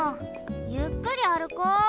ゆっくりあるこう。